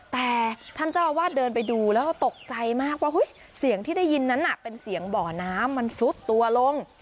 แต่ท่านเจ้าอาวาสเดินไปดูแล้วก็ตกใจมากว่าเสียงที่ได้ยินนั้นเป็นเสียงบ่อน้ำมันซุดตัวลง